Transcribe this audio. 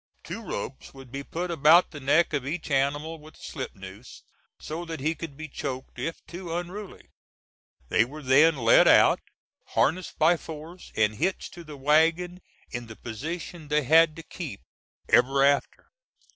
Two ropes would be put about the neck of each animal, with a slip noose, so that he could be choked if too unruly. They were then led out, harnessed by force and hitched to the wagon in the position they had to keep ever after.